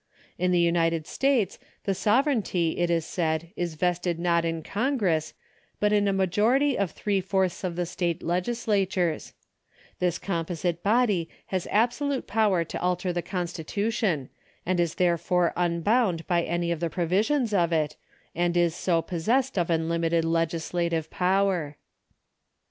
In the United States the sovereignty, it is said, is vested not in Congress, but in a majority of three fourths of the State Legislatures ; this composite body has absolute power to alter the constitution, and is there fore luibound by any of the provisions of it, and is so possessed of unlimited legislative power.